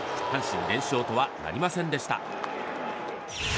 阪神、連勝とはなりませんでした。